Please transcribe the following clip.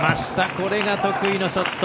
これが得意のショット。